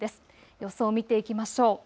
予想を見ていきましょう。